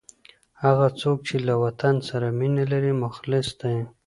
هغه څوک چي له وطن سره مینه لري، مخلص دی.